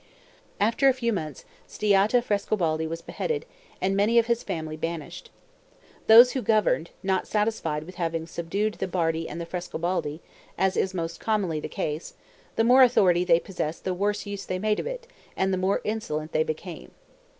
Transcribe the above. After a few months, Stiatta Frescobaldi was beheaded, and many of his family banished. Those who governed, not satisfied with having subdued the Bardi and the Frescobaldi, as is most commonly the case, the more authority they possessed the worse use they made of it and the more insolent they became.